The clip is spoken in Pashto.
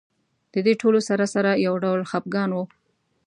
د دې ټولو سره سره یو ډول خپګان و.